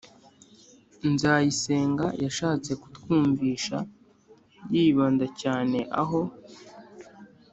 nzayisenga yashatse kutwumvisha, yibanda cyane aho